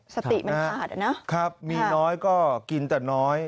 สติมันขาดอะนะครับมีน้อยก็กินแต่น้อย